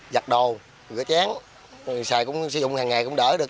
giặt đồ rửa chén sử dụng hàng ngày cũng đỡ được